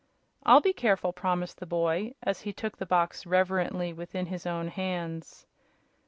"I'll be careful," promised the boy, as he took the box reverently within his own hands.